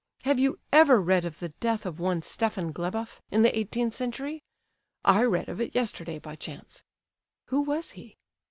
Have you ever read of the death of one Stepan Gleboff, in the eighteenth century? I read of it yesterday by chance." "Who was he?"